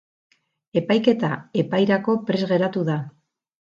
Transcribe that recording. Epaiketa epairako prest geratu da.